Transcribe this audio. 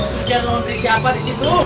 jangan nonton siapa di situ